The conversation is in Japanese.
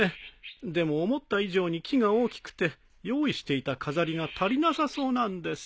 でも思った以上に木が大きくて用意していた飾りが足りなさそうなんです。